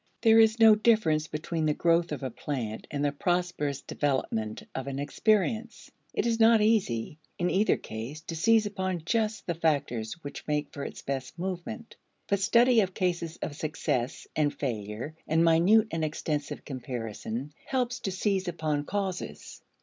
There is no difference between the growth of a plant and the prosperous development of an experience. It is not easy, in either case, to seize upon just the factors which make for its best movement. But study of cases of success and failure and minute and extensive comparison, helps to seize upon causes.